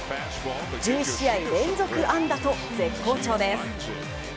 １１試合連続安打と絶好調です。